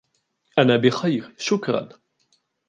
أنا بخير، شكرا.